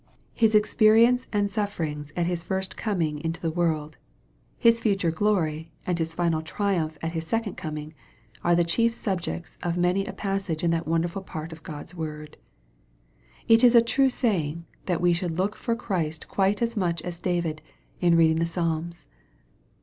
His experience and sufferings at His first coming into the world His future glory, and His final triumph at His second coming are the chief subjects of many a passage in that wonderful part of Gfod's word. It is a true raying, that we should look for Christ quite as much as David, in reading the Psalms.